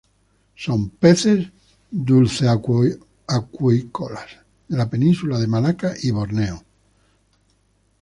Son peces dulceacuícolas de la península de Malaca y Borneo.